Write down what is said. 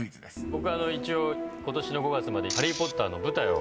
僕一応ことしの５月まで『ハリー・ポッター』の舞台を。